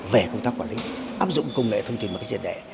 về công tác quản lý áp dụng công nghệ thông tin và kinh tế